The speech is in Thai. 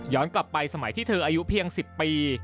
กลับไปสมัยที่เธออายุเพียง๑๐ปี